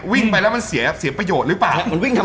วิ่งไปแล้วมันเสียประโยชน์หรือเปล่า